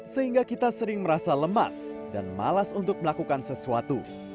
sehingga kita sering merasa lemas dan malas untuk melakukan sesuatu